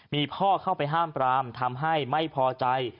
มีพ่อเข้าไปห้ามปรามทำให้ไม่พอใจ